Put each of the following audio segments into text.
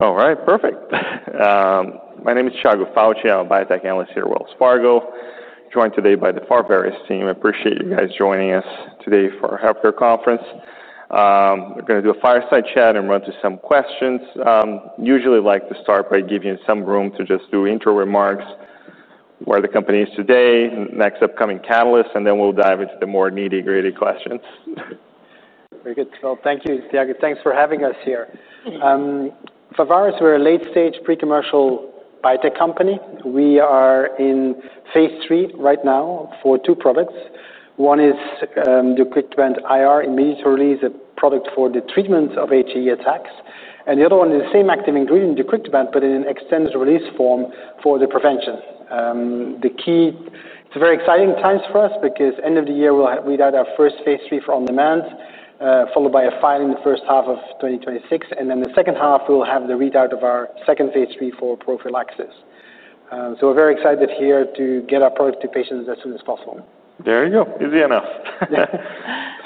All right, perfect. My name is Tiago Fauci. I'm a biotech analyst here at Wells Fargo, joined today by the Pharvaris team. I appreciate you guys joining us today for our healthcare conference. We're going to do a fireside chat and run through some questions. Usually, I like to start by giving you some room to just do intro remarks, where the company is today, next upcoming catalyst, and then we'll dive into the more nitty-gritty questions. Very good. Thank you, Tiago. Thanks for having us here. Pharvaris, we're a late-stage pre-commercial biotech company. We are in Phase 3 right now for two products. One is the Deucrictibant immediate release (IR), a product for the treatment of HAE attacks. The other one is the same active ingredient, Deucrictibant, but in an extended release form for the prevention. The key, it's very exciting times for us because end of the year, we'll have read out our first Phase 3 for on-demand, followed by a final in the first half of 2026. In the second half, we'll have the read out of our second Phase 3 for prophylaxis. We're very excited here to get our product to patients as soon as possible. There you go. Easy enough. Yeah.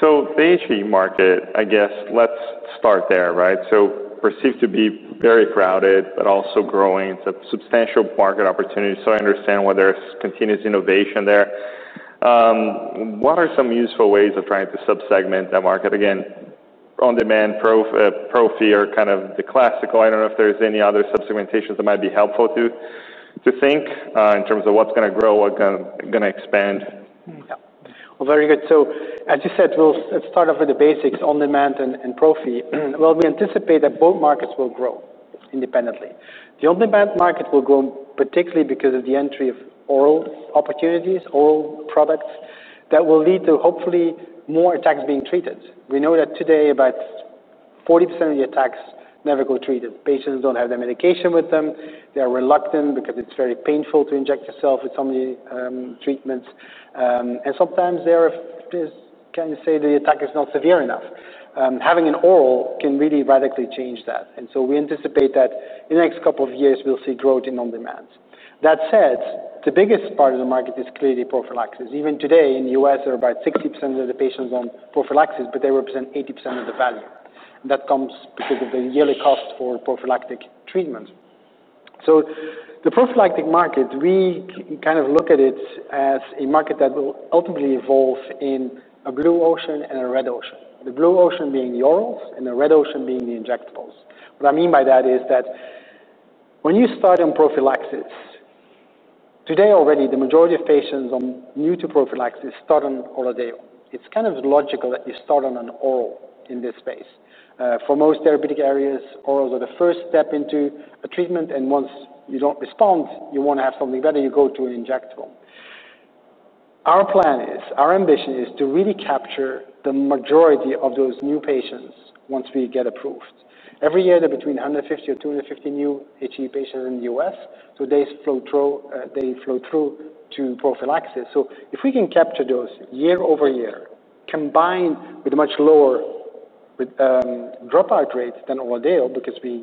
The HAE market, I guess, let's start there, right? It seems to be very crowded, but also growing. It's a substantial market opportunity. I understand why there's continuous innovation there. What are some useful ways of trying to subsegment that market? Again, on-demand, prophy, or kind of the classical, I don't know if there's any other subsegmentations that might be helpful to think in terms of what's going to grow, what's going to expand. Yeah. Very good. As you said, we'll start off with the basics, on-demand and prophy. We anticipate that both markets will grow independently. The on-demand market will grow particularly because of the entry of oral opportunities, oral products that will lead to hopefully more attacks being treated. We know that today about 40% of the attacks never go treated. Patients don't have their medication with them. They are reluctant because it's very painful to inject yourself with so many treatments. Sometimes there is, can you say the attack is not severe enough? Having an oral can really radically change that. We anticipate that in the next couple of years, we'll see growth in on-demand. That said, the biggest part of the market is clearly prophylaxis. Even today in the U.S., there are about 60% of the patients on prophylaxis, but they represent 80% of the value. That comes because of the yearly cost for prophylactic treatment. The prophylactic market, we kind of look at it as a market that will ultimately evolve in a blue ocean and a red ocean. The blue ocean being the orals and the red ocean being the injectables. What I mean by that is that when you start on prophylaxis, today already, the majority of patients new to prophylaxis start Oral Already. it's kind of logical that you start on an oral in this space. For most therapeutic areas, orals are the first step into a treatment. Once you don't respond, you want to have something better, you go to an injectable. Our plan is, our ambition is to really capture the majority of those new patients once we get approved. Every year, there are between 150 or 250 new HAE patients in the U.S. They flow through to prophylaxis. If we can capture those year -over -year, combined with a much lower dropout rate Oral Already, because we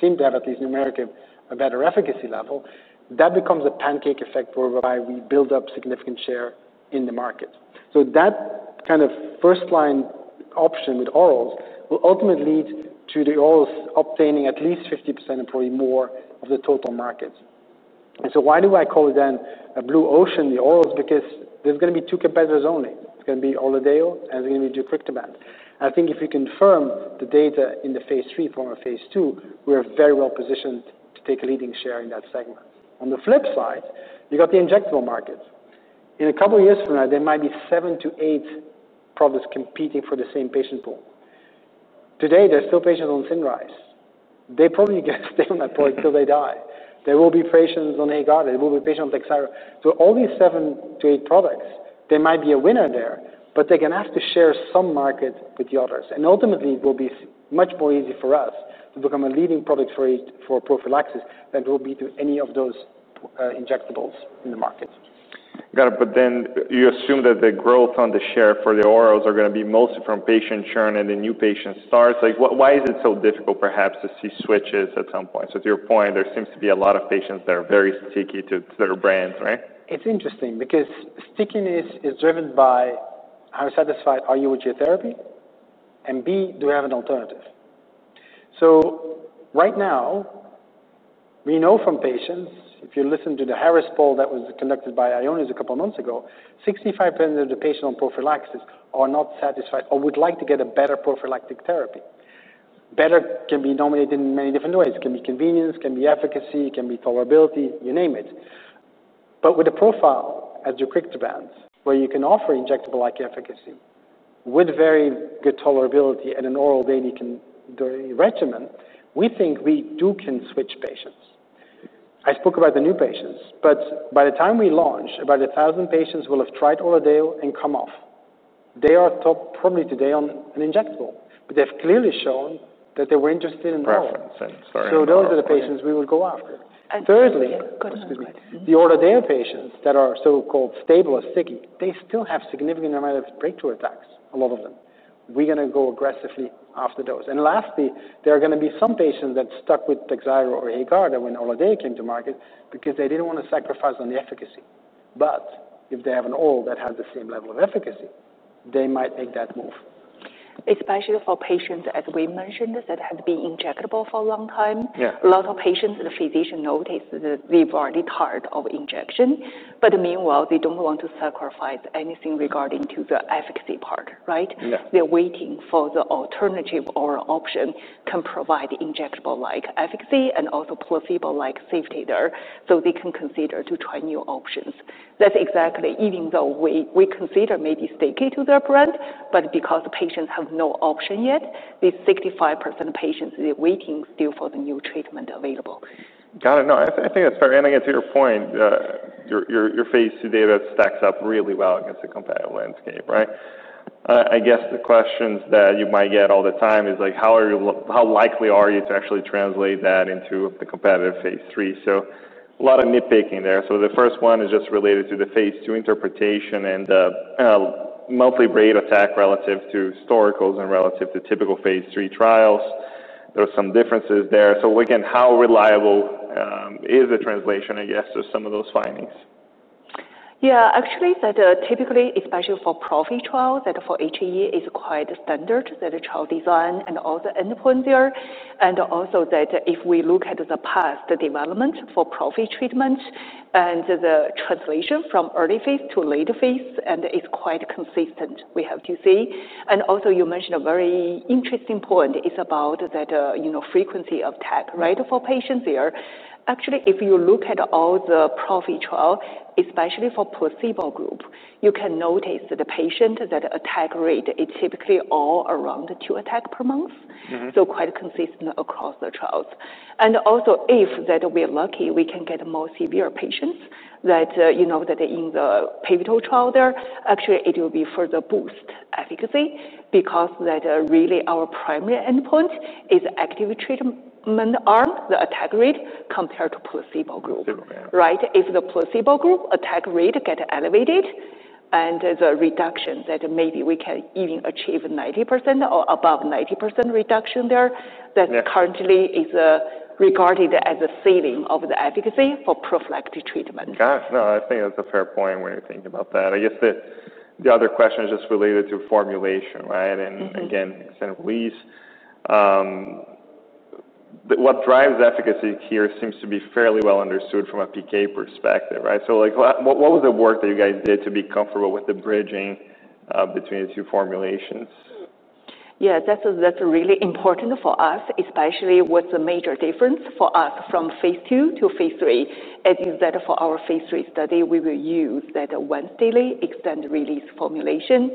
seem to have at least numerically a better efficacy level, that becomes a pancake effect whereby we build up significant share in the market. That kind of first line option with orals will ultimately lead to the orals obtaining at least 50% or probably more of the total market. Why do I call it then a blue ocean, the orals? Because there's going to be two competitors only. It's going to Oral Already and it's going to be Deucrictibant. I think if we confirm the data in the Phase 3 from our Phase 2, we are very well positioned to take a leading share in that segment. On the flip side, you've got the injectable market. In a couple of years from now, there might be seven to eight products competing for the same patient pool. Today, there are still patients on Cinryze. They probably get still on that product until they die. There will be patients on Firazyr. There will be patients on Danazol. All these seven to eight products, there might be a winner there, but they're going to have to share some market with the others. Ultimately, it will be much more easy for us to become a leading product for prophylaxis than it will be to any of those injectables in the market. Got it. You assume that the growth on the share for the orals are going to be mostly from patient churn and the new patient starts. Why is it so difficult perhaps to see switches at some point? To your point, there seems to be a lot of patients that are very sticky to their brands, right? It's interesting because stickiness is driven by how satisfied are you with your therapy? And B, do we have an alternative? Right now, we know from patients, if you listen to the Harris poll that was conducted by IONIS a couple of months ago, 65% of the patients on prophylaxis are not satisfied or would like to get a better prophylactic therapy. Better can be nominated in many different ways. It can be convenience, it can be efficacy, it can be tolerability, you name it. With a profile as the Deucrictibant, where you can offer injectable-like efficacy with very good tolerability and an oral daily regimen, we think we do can switch patients. I spoke about the new patients, but by the time we launch, about 1,000 patients will have Oral Already and come off. They are probably today on an injectable, but they've clearly shown that they were interested in an oral. Those are the patients we will go after. Thirdly, Oral Already patients that are so-called stable or sticky, they still have a significant amount of breakthrough attacks, a lot of them. We are going to go aggressively after those. Lastly, there are going to be some patients that stuck with Takhzyro or Haegarda Oral Already came to market because they didn't want to sacrifice on the efficacy. If they have an oral that has the same level of efficacy, they might make that move. Especially for patients, as we mentioned, that have been injectable for a long time. A lot of patients and physicians notice that they've already tired of injection, but meanwhile, they don't want to sacrifice anything regarding the efficacy part, right? They're waiting for the alternative oral option that can provide injectable-like efficacy and also placebo-like safety, so they can consider to try new options. That's exactly even though we consider maybe sticking to their brand, but because patients have no option yet, these 65% of patients are waiting still for the new treatment available. Got it. No, I think that's perfect. I get to your point, your Phase 2 data stacks up really well against the competitive landscape, right? I guess the questions that you might get all the time is like, how likely are you to actually translate that into the competitive Phase 3? A lot of nitpicking there. The first one is just related to the Phase 2 interpretation and the multi-rate attack relative to historicals and relative to typical Phase 3 trials. There are some differences there. Again, how reliable is the translation, I guess, to some of those findings? Yeah, actually, that typically, especially for prophy trials and for HAE, it's quite standard that the trial design and all the endpoints there. Also, if we look at the past development for prophy treatments and the translation from early Phase to late Phase, it's quite consistent, we have to say. You mentioned a very interesting point, it's about that frequency of attack, right? For patients there, actually, if you look at all the prophy trials, especially for the placebo group, you can notice the patient that the attack rate is typically all around two attacks per month. Quite consistent across the trials. If we're lucky, we can get more severe patients that you know that in the pivotal trial there, actually, it will be further boost efficacy because that really our primary endpoint is the active treatment arm, the attack rate compared to the placebo group, right? If the placebo group attack rate gets elevated and the reduction that maybe we can even achieve 90% or above 90% reduction there, that currently is regarded as a saving of the efficacy for prophylactic treatment. Got it. No, I think that's a fair point when you're thinking about that. I guess the other question is just related to formulation, right? Again, incentive release. What drives efficacy here seems to be fairly well understood from a PK perspective, right? What was the work that you guys did to be comfortable with the bridging between the two formulations? Yeah, that's really important for us, especially with the major difference for us from Phase 2 to Phase 3. As you said, for our Phase 3 study, we will use that once daily extended release formulation.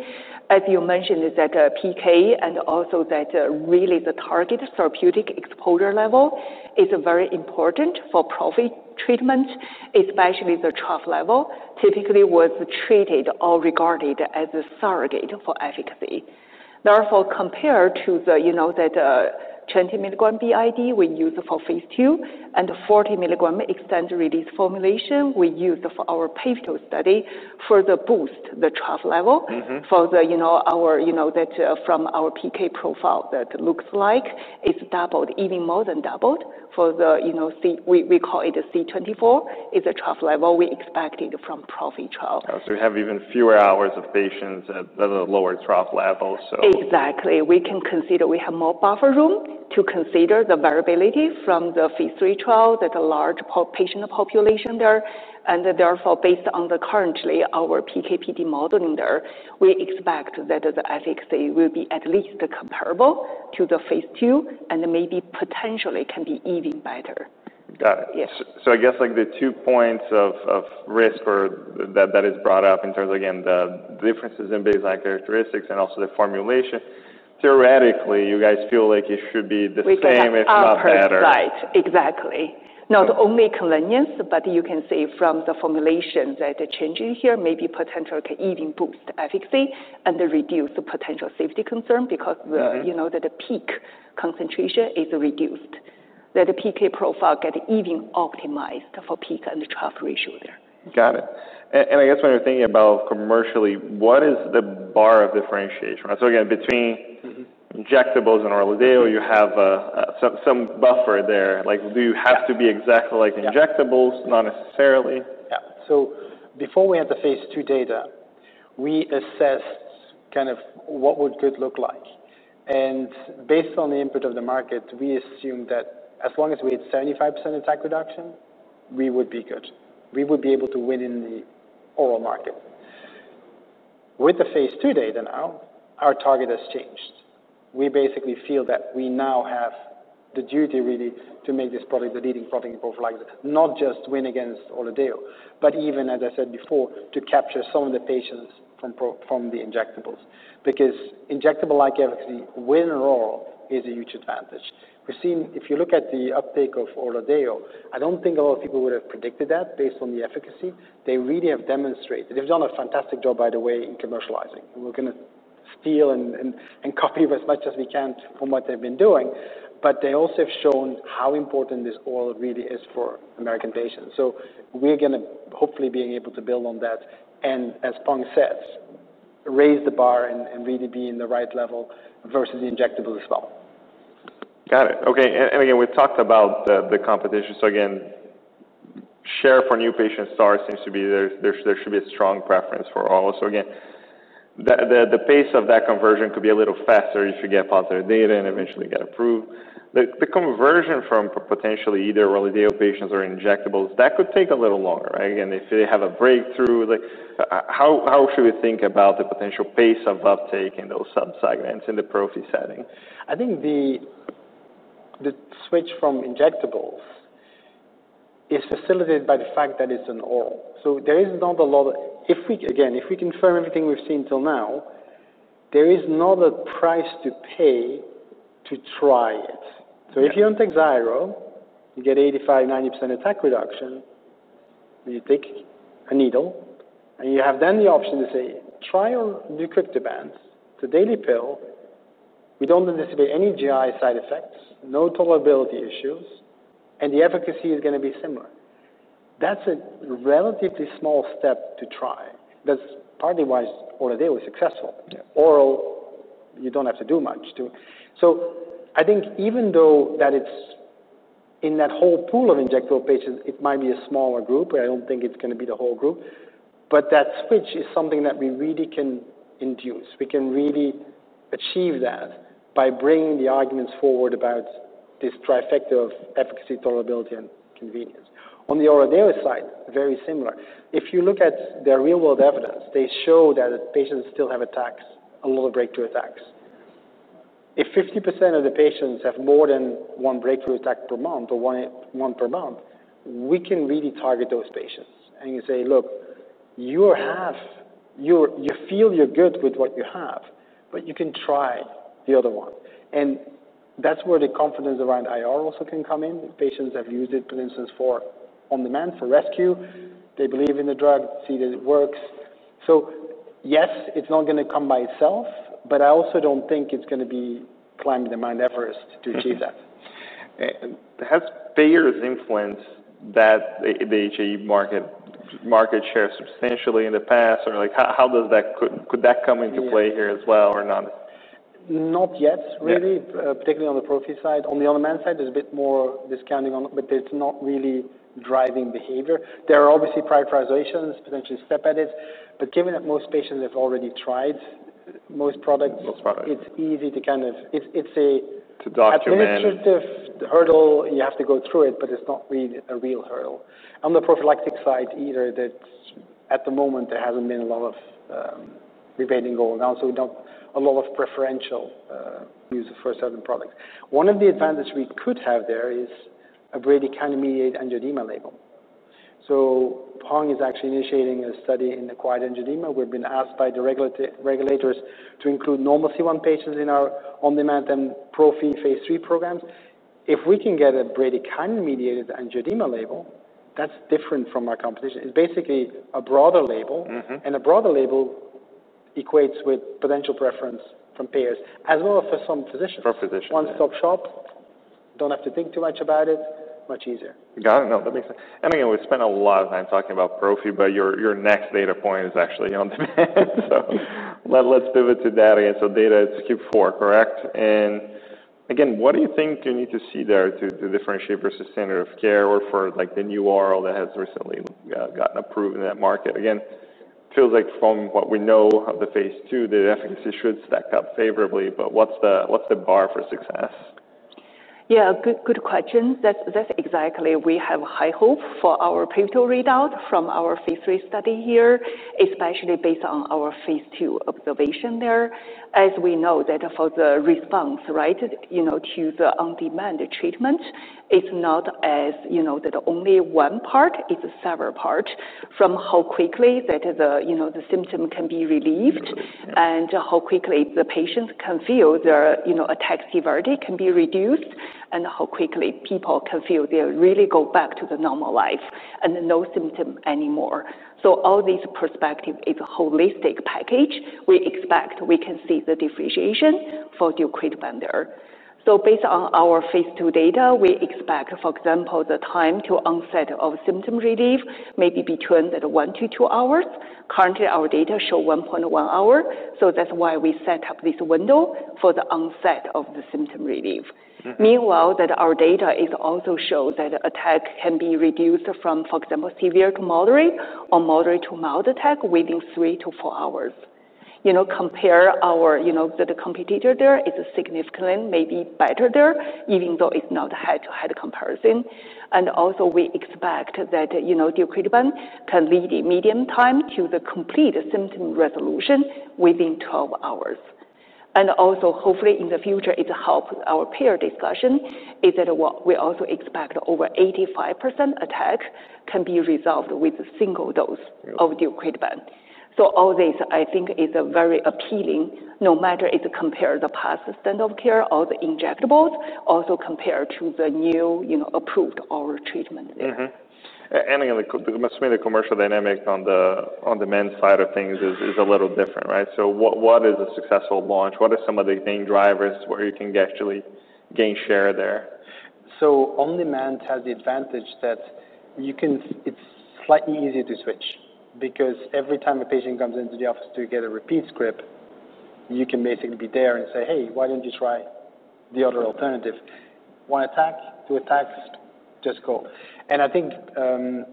As you mentioned, that PK and also that really the target therapeutic exposure level is very important for prophy treatment, especially the 12th level, typically was treated or regarded as a surrogate for efficacy. Therefore, compared to the 20 mg BID we use for Phase 2 and the 40 mg extended release formulation we use for our pivotal study, further boost the 12th level for our PK profile that looks like it's doubled, even more than doubled. For the C, we call it a C24, is the 12th level we expected from prophy trial. We have even fewer hours of patients at the lower 12th level. Exactly. We can consider, we have more buffer room to consider the variability from the Phase 3 trial, that the large patient population there. Therefore, based on currently our PK/PD modeling there, we expect that the efficacy will be at least comparable to the Phase 2 and maybe potentially can be even better. Got it. I guess the two points of risk that are brought up in terms of the differences in baseline characteristics and also the formulation, theoretically, you guys feel like it should be the same if not better. Right, exactly. Not only convenience, but you can say from the formulation that changing here maybe potentially can even boost efficacy and reduce the potential safety concern because the peak concentration is reduced. The PK profile gets even optimized for peak and the 12th ratio there. Got it. I guess when you're thinking about commercially, what is the bar of differentiation? Between injectables Oral Already, you have some buffer there. Do you have to be exactly like injectables, not necessarily? Yeah. Before we had the Phase 2 data, we assessed kind of what would good look like. Based on the input of the market, we assumed that as long as we had 75% attack reduction, we would be good. We would be able to win in the oral market. With the Phase 2 data now, our target has changed. We basically feel that we now have the duty really to make this product the leading product in prophylaxis, not just win Oral Already, but even, as I said before, to capture some of the patients from the injectables. Because injectable-like efficacy, win oral, is a huge advantage. We've seen, if you look at the uptake Oral Already, i don't think a lot of people would have predicted that based on the efficacy. They really have demonstrated, they've done a fantastic job, by the way, in commercializing. We're going to steal and copy as much as we can from what they've been doing. They also have shown how important this oral really is for American patients. We're going to hopefully be able to build on that and, as Peng said, raise the bar and really be in the right level versus the injectable as well. Got it. Okay. We talked about the competition. Share for new patients starts seems to be there should be a strong preference for oral. The pace of that conversion could be a little faster if you get positive data and eventually get approved. The conversion from potentially Oral Already patients or injectables, that could take a little longer, right? If they have a breakthrough, how should we think about the potential pace of uptake in those subsegments in the prophy setting? I think the switch from injectables is facilitated by the fact that it's an oral. There is not a lot of, if we confirm everything we've seen till now, there is not a price to pay to try it. If you don't take Takhzyro, you get 85%, 90% attack reduction, but you take a needle and you have then the option to try Deucrictibant, the daily pill. We don't anticipate any GI side effects, no tolerability issues, and the efficacy is going to be similar. That's a relatively small step to try. That's partly Oral Already is successful. Oral, you don't have to do much to. I think even though it's in that whole pool of injectable patients, it might be a smaller group, but I don't think it's going to be the whole group. That switch is something that we really can induce. We can really achieve that by bringing the arguments forward about this trifecta of efficacy, tolerability, and convenience. On Oral Already side, very similar. If you look at their real-world evidence, they show that patients still have attacks, a lot of breakthrough attacks. If 50% of the patients have more than one breakthrough attack per month or one per month, we can really target those patients and say, look, you feel you're good with what you have, but you can try the other one. That's where the confidence around IR also can come in. Patients have used it, for instance, for on-demand for rescue. They believe in the drug, see that it works. Yes, it's not going to come by itself, but I also don't think it's going to be climbing the Mount Everest to achieve that. Has payers' influence the HAE market share substantially in the past, or how does that, could that come into play here as well or not? Not yet, really, particularly on the prophy side. On the other hand side, there's a bit more discounting on it, but it's not really driving behavior. There are obviously prioritizations, potentially step edits, but given that most patients have already tried most products, it's easy to kind of, it's an administrative hurdle. You have to go through it, but it's not really a real hurdle. On the prophylactic side, either, at the moment there hasn't been a lot of debating going on, so we don't have a lot of preferential use of first-hand products. One of the advantages we could have there is a bradykinin-mediated angioedema label. So, Peng is actually initiating a study in acquired angioedema. We've been asked by the regulators to include normal C1 patients in our on-demand and prophy Phase 3 programs. If we can get a bradykinin-mediated angioedema label, that's different from our competition. It's basically a broader label, and a broader label equates with potential preference from payers, as well as for some physicians. One-stop shop. Don't have to think too much about it. Much easier. Got it. No, that makes sense. We've spent a lot of time talking about prophy, but your next data point is actually on demand. Let's pivot to that again. Data is Q4, correct? What do you think you need to see there to differentiate versus standard of care or for the new oral that has recently gotten approved in that market? It feels like from what we know of the Phase 2, the efficacy should stack up favorably, but what's the bar for success? Yeah, good questions. That's exactly we have a high hope for our pivotal readout from our Phase 3 study here, especially based on our Phase 2 observation there. As we know that for the response, right, you know, to the on-demand treatment, it's not as, you know, that only one part, it's several parts from how quickly that the symptom can be relieved and how quickly the patients can feel their ataxia vertigo can be reduced and how quickly people can feel they really go back to the normal life and no symptom anymore. All these perspectives is a holistic package. We expect we can see the differentiation for the Deucrictibant there. Based on our Phase 2 data, we expect, for example, the time to onset of symptom relief may be between one to two hours. Currently, our data show 1.1 hour. That's why we set up this window for the onset of the symptom relief. Meanwhile, our data also shows that attacks can be reduced from, for example, severe to moderate or moderate to mild attack within three to four hours. You know, compare our, you know, the competitor there is significantly, maybe better there, even though it's not a head-to-head comparison. We expect that Deucrictibant can lead a median time to the complete symptom resolution within 12 hours. Hopefully, in the future, it helps our peer discussion is that we also expect over 85% attacks can be resolved with a single dose of Deucrictibant. All this, I think, is very appealing, no matter if it's compared to the past standard of care or the injectables, also compared to the new approved oral treatment. It must mean the commercial dynamic on the on-demand side of things is a little different, right? What is a successful launch? What are some of the main drivers where you can actually gain share there? On-demand has the advantage that you can, it's slightly easier to switch because every time a patient comes into the office to get a repeat script, you can basically be there and say, "Hey, why don't you try the other alternative?" One attack, two attacks, just go. I think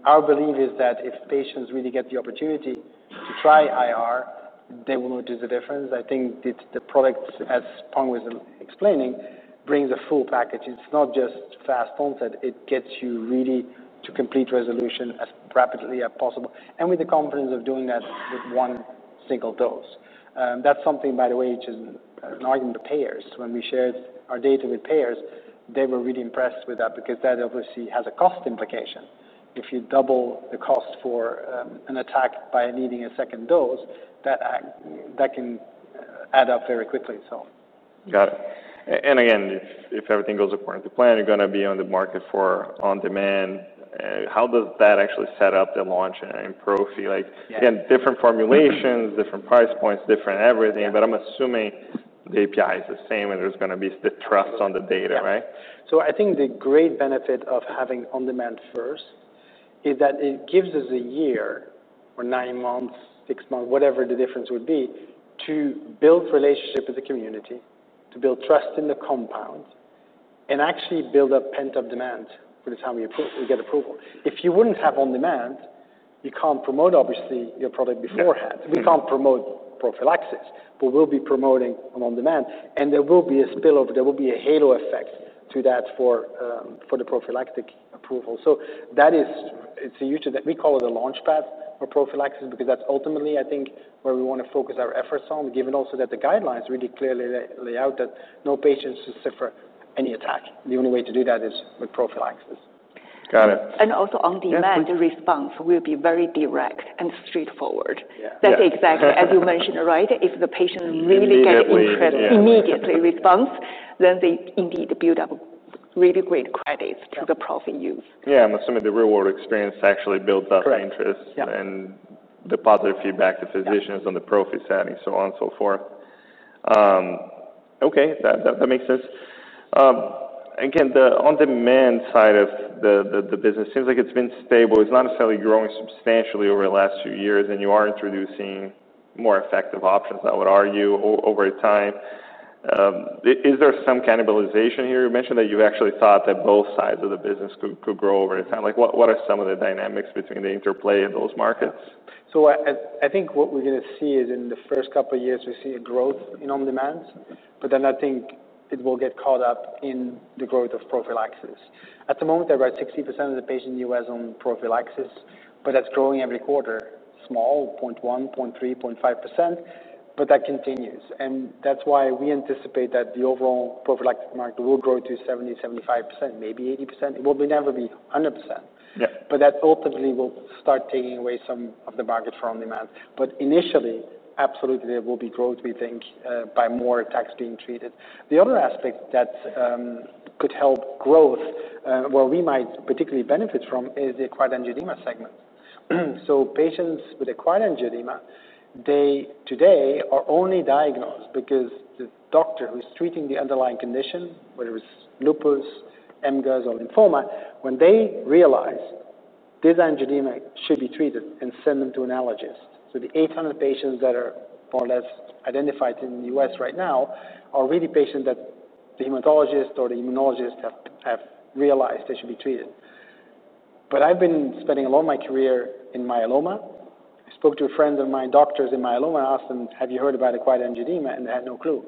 our belief is that if patients really get the opportunity to try IR, they will notice the difference. I think the product, as Peng was explaining, brings a full package. It's not just fast onset. It gets you really to complete resolution as rapidly as possible, and with the confidence of doing that with one single dose. That's something, by the way, which is an argument of payers. When we shared our data with payers, they were really impressed with that because that obviously has a cost implication. If you double the cost for an attack by needing a second dose, that can add up very quickly. Got it. If everything goes according to plan, you're going to be on the market for on-demand. How does that actually set up the launch in prophy? Different formulations, different price points, different everything, but I'm assuming the API is the same and there's going to be the trust on the data, right? I think the great benefit of having on-demand first is that it gives us a year or nine months, six months, whatever the difference would be, to build relationships with the community, to build trust in the compound, and actually build up pent-up demand for the time we get approval. If you wouldn't have on-demand, you can't promote obviously your product beforehand. We can't promote prophylaxis, but we'll be promoting on-demand. There will be a spillover, there will be a halo effect to that for the prophylactic approval. That is, it's a huge thing that we call it a launch pad for prophylaxis because that's ultimately, I think, where we want to focus our efforts, given also that the guidelines really clearly lay out that no patients should suffer any attack. The only way to do that is with prophylaxis. Got it. On-demand, the response will be very direct and straightforward. That's exactly as you mentioned, right? If the patient really gets interested immediately in response, then they indeed build up really great credits to the prophy use. Yeah, I'm assuming the real-world experience actually builds up interest and the positive feedback to physicians on the prophy setting, so on and so forth. Okay, that makes sense. Again, the on-demand side of the business seems like it's been stable. It's not necessarily growing substantially over the last few years, and you are introducing more effective options, I would argue, over time. Is there some cannibalization here? You mentioned that you've actually thought that both sides of the business could grow over time. What are some of the dynamics between the interplay of those markets? I think what we're going to see is in the first couple of years, we see a growth in on-demand, but then I think it will get caught up in the growth of prophylaxis. At the moment, about 60% of the patients in the U.S. are on prophylaxis, but that's growing every quarter, small, 0.1%, 0.3%, 0.5%, but that continues. That's why we anticipate that the overall prophylactic market will grow to 70%, 75%, maybe 80%. It will never be 100%. That ultimately will start taking away some of the market for on-demand. Initially, absolutely, there will be growth, we think, by more attacks being treated. The other aspect that could help growth, where we might particularly benefit from, is the acquired angioedema segment. Patients with acquired angioedema today are only diagnosed because the doctor who's treating the underlying condition, whether it's lupus, MGUS, or lymphoma, when they realize this angioedema should be treated and send them to an allergist. The 800 patients that are more or less identified in the U.S. right now are really patients that the hematologist or the immunologist have realized they should be treated. I've been spending a lot of my career in myeloma. I spoke to a friend of mine who is a doctor in myeloma and asked him, "Have you heard about acquired angioedema?" They had no clue.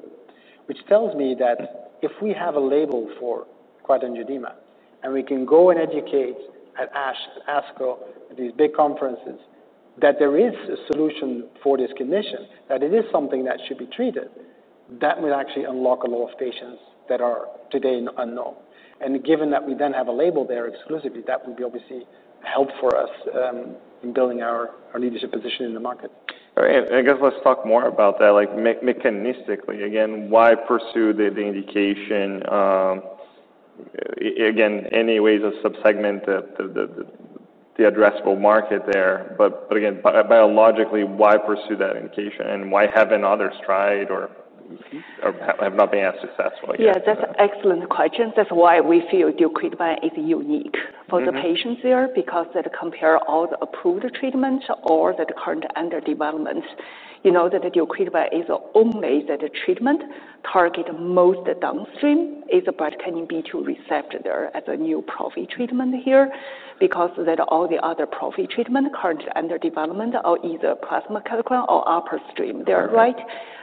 Which tells me that if we have a label for acquired angioedema and we can go and educate at ASCO, at these big conferences, that there is a solution for this condition, that it is something that should be treated, that will actually unlock a lot of patients that are today unknown. Given that we then have a label there exclusively, that would obviously help for us in building our leadership position in the market. Let's talk more about that. Mechanistically, again, why pursue the indication? Any ways of subsegmenting the addressable market there? Biologically, why pursue that indication and why haven't others tried or have not been as successful? Yeah, that's an excellent question. That's why we feel Deucrictibant is unique for the patients there because they compare all the approved treatments or the current under development. You know that the Deucrictibant is only the treatment targeted most downstream. Can it be too receptive there as a new prophy treatment here? All the other prophy treatments currently under development are either plasma, catecholamine, or upstream there, right?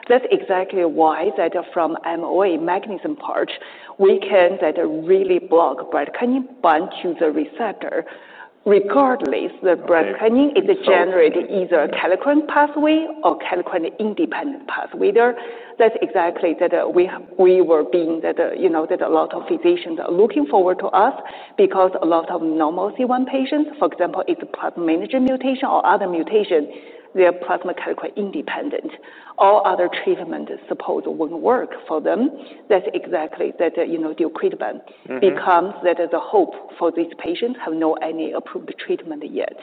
That's exactly why from MOA, magnesium part, we can really block bradykinin bind to the receptor. Regardless, the bradykinin is generated either a catecholamine pathway or catecholamine independent pathway there. That's exactly that we were being that a lot of physicians are looking forward to us because a lot of normal C1 patients, for example, if the plasma manager mutation or other mutation, they are plasma catecholamine independent. All other treatments supposedly wouldn't work for them. That's exactly that Deucrictibant becomes the hope for these patients who have not had any approved treatment yet.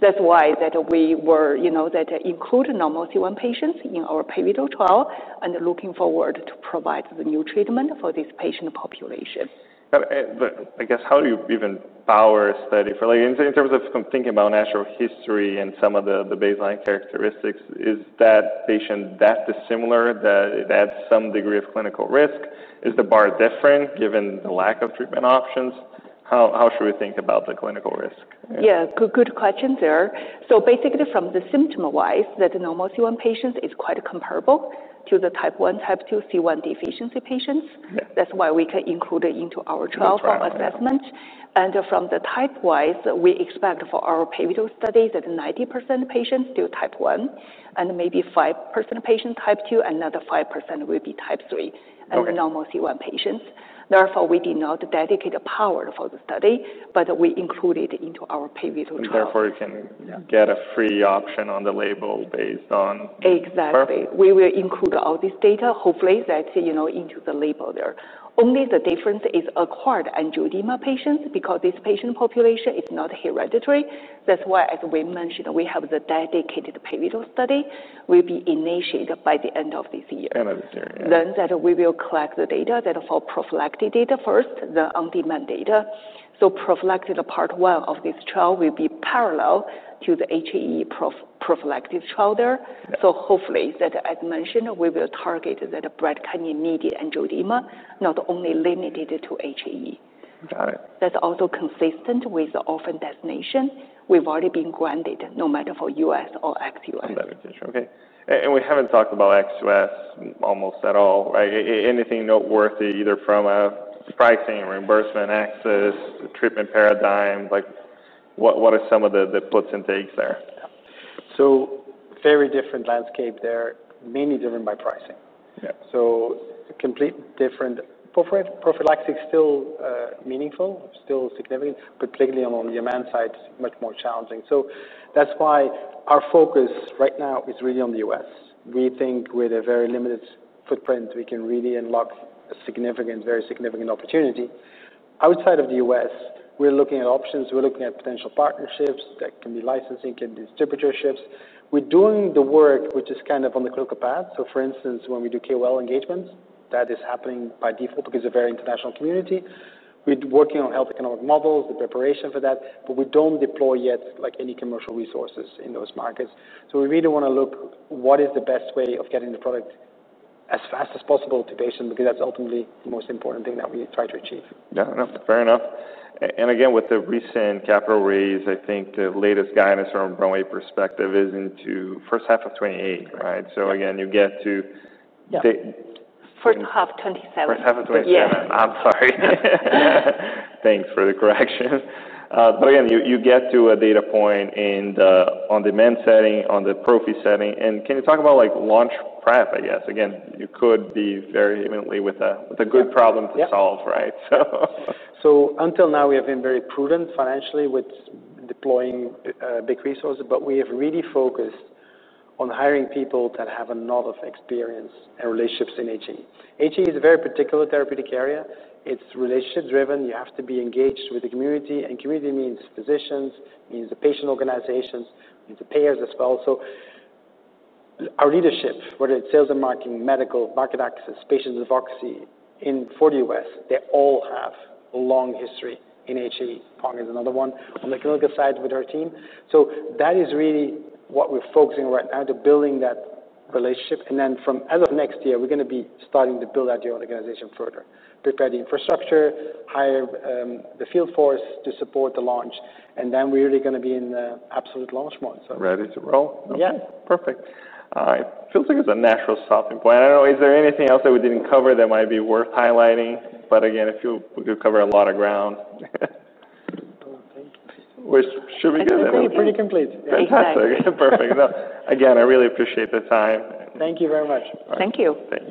That's why we were that include normal C1 patients in our pivotal trial and looking forward to provide the new treatment for this patient population. How do you even buy our study? For like in terms of thinking about natural history and some of the baseline characteristics, is that patient that dissimilar, that adds some degree of clinical risk? Is the bar different given the lack of treatment options? How should we think about the clinical risk? Good question there. Basically, from the symptom-wise, that normal C1 patients is quite comparable to the Type 1, Type 2 C1 deficiency patients. That's why we can include it into our trial for assessment. From the type-wise, we expect for our pivotal study that 90% patients do Type 1 and maybe 5% patients Type 2 and another 5% will be Type 3 and normal C1 patients. Therefore, we did not dedicate a power for the study, but we included it into our pivotal trial. Therefore, you can get a free option on the label based on. Exactly, we will include all this data, hopefully, that you know into the label there. Only the difference is acquired angioedema patients, because this patient population is not hereditary. That's why, as Wim mentioned, we have the dedicated pivotal study will be initiated by the end of this year. We will collect the data for prophylactic data first, the on-demand data. The prophylactic part one of this trial will be parallel to the HAE prophylactic trial there. Hopefully, as mentioned, we will target that bradykinin-mediated angioedema, not only limited to HAE. Got it. That's also consistent with the orphan destination. We've already been granted no matter for U.S. or ex-U.S. Okay. We haven't talked about XUS almost at all. Anything noteworthy either from a pricing, reimbursement, access, treatment paradigm? What are some of the puts and takes there? Yeah. A very different landscape there, mainly different by pricing. Yes, completely different. Prophylaxis is still meaningful, still significant, but particularly on the demand side, it's much more challenging. That is why our focus right now is really on the U.S. We think with a very limited footprint, we can really unlock a significant, very significant opportunity. Outside of the U.S., we're looking at options, we're looking at potential partnerships that can be licensing, can be distributorships. We're doing the work, which is kind of on the clinical path. For instance, when we do KOL engagements, that is happening by default because of a very international community. We're working on health economic models, the preparation for that, but we don't deploy yet like any commercial resources in those markets. We really want to look at what is the best way of getting the product as fast as possible to patients, because that's ultimately the most important thing that we try to achieve. Yeah, no, fair enough. With the recent capital raise, I think the latest guidance from Pharvaris perspective is into first half of 2028, right? You get to. Yeah, first half of 2027. First half of 2027. I'm sorry. Thanks for the correction. Again, you get to a data point in the on-demand setting, on the prophy setting. Can you talk about launch prep, I guess? Again, you could be very imminently with a good problem to solve, right? Until now, we have been very prudent financially with deploying big resources, but we have really focused on hiring people that have a lot of experience and relationships in HAE. HAE is a very particular therapeutic area. It's relationship-driven. You have to be engaged with the community, and community means physicians, means the patient organizations, means the payers as well. Our leadership, whether it's Sales and Marketing, Medical, Market Access, Patient Advocacy, in the U.S., they all have a long history in HAE. Peng is another one on the clinical side with our team. That is really what we're focusing on right now to build that relationship. As of next year, we're going to be starting to build out the organization further, prepare the infrastructure, hire the field force to support the launch, and then we're really going to be in the absolute launch mode. Ready to roll? Yes. Perfect. All right. Feels like it's a natural stopping point. I don't know. Is there anything else that we didn't cover that might be worth highlighting? Again, I feel we could cover a lot of ground. I don't think. Should we do this? I think you're pretty complete. Fantastic. Perfect. Again, I really appreciate the time. Thank you very much. Thank you. Thanks.